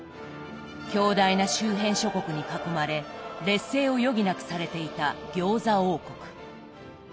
強大な周辺諸国に囲まれ劣勢を余儀なくされていた餃子王国。